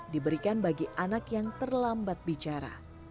diberikan bagi anak yang terlambat bicara